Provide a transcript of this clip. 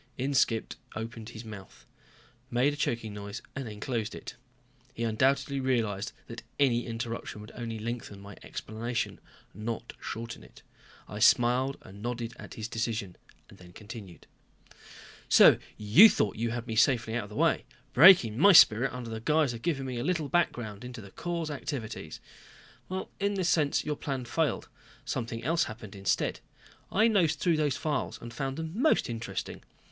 Inskipp opened his mouth, made a choking noise, then closed it. He undoubtedly realized that any interruption would only lengthen my explanation, not shorten it. I smiled and nodded at his decision, then continued. "So you thought you had me safely out of the way. Breaking my spirit under the guise of 'giving me a little background in the Corps' activities.' In this sense your plan failed. Something else happened instead. I nosed through the files and found them most interesting.